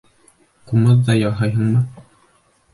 — Ҡумыҙ ҙа яһайһыңмы?